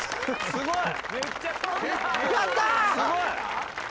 すごい！